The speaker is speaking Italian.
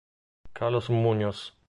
Carlos Muñoz